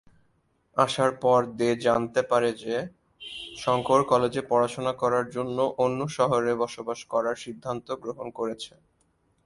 আসার পর দে জানতে পারে যে, শঙ্কর কলেজে পড়াশোনা করার জন্য অন্য শহরে বসবাস করার সিদ্ধান্ত গ্রহণ করেছে।